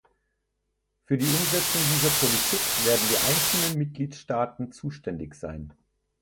Für die Umsetzung dieser Politik werden die einzelnen Mitgliedstaaten zuständig sein.